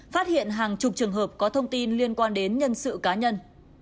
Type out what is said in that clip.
phát hiện hàng chục trường hợp có thông tin liên quan đến nhân sự cá nhân